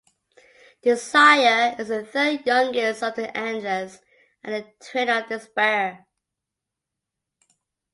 Desire is the third youngest of the Endless and the twin of Despair.